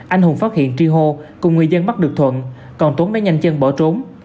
anh hùng phát hiện tri hô cùng người dân bắt được thuận còn tuấn đã nhanh chân bỏ trốn